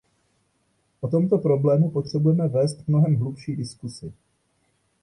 O tomto problému potřebujeme vést mnohem hlubší diskusi.